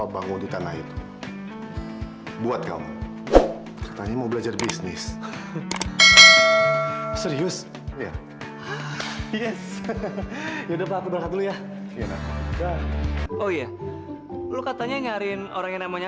bangun di tanah itu buat kamu mau belajar bisnis serius ya oh ya lu katanya nyarin orangnya namanya